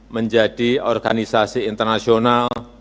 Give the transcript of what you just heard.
menjadi organisasi internasional